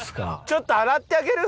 ちょっと洗ってあげる？